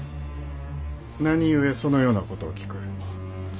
何故そのようなことを聞く。